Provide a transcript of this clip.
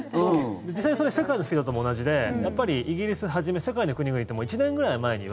実際、それは世界のスピードとも同じでイギリスはじめ、世界の国々ってもう１年ぐらい前には